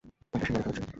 তাকে সে মেরে ফেলেছে।